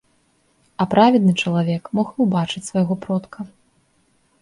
А праведны чалавек мог і ўбачыць свайго продка.